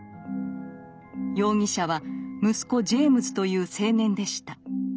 容疑者は息子ジェイムズという青年でした。